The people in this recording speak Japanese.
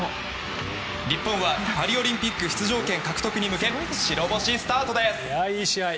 日本はパリオリンピック出場権獲得に向け、白星スタートです。